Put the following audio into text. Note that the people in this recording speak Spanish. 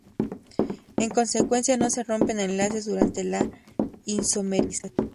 En consecuencia, no se rompen enlaces durante la isomerización.